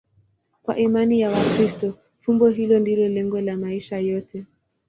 Kwa imani ya Wakristo, fumbo hilo ndilo lengo la maisha yote.